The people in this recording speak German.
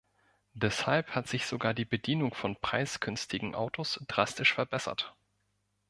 Deshalb hat sich sogar die Bedienung von preisgünstigen Autos drastisch verbessert.